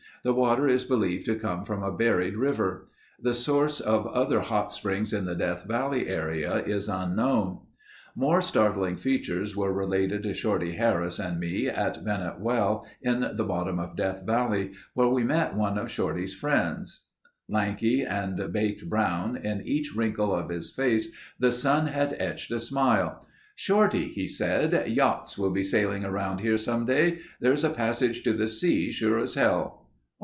The water is believed to come from a buried river. The source of other hot springs in the Death Valley area is unknown. More startling features were related to Shorty Harris and me at Bennett's Well in the bottom of Death Valley where we met one of Shorty's friends. Lanky and baked brown, in each wrinkle of his face the sun had etched a smile. "Shorty," he said, "yachts will be sailing around here some day. There's a passage to the sea, sure as hell."